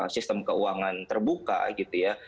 sistem keuangan terbuka gitu ya